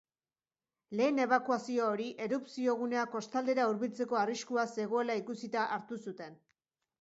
Lehen ebakuazio hori erupziogunea kostaldera hurbiltzeko arriskua zegoela ikusita hartu zuten.